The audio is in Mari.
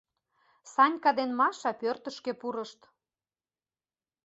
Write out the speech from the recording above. Санька ден Маша пӧртышкӧ пурышт.